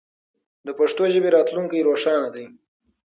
د پښتو ژبې راتلونکی روښانه دی.